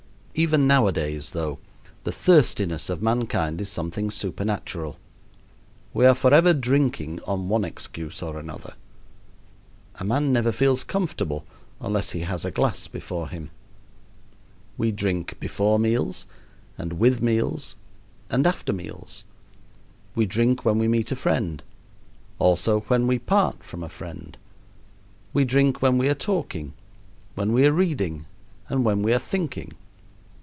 Even nowadays, though, the thirstiness of mankind is something supernatural. We are forever drinking on one excuse or another. A man never feels comfortable unless he has a glass before him. We drink before meals, and with meals, and after meals. We drink when we meet a friend, also when we part from a friend. We drink when we are talking, when we are reading, and when we are thinking.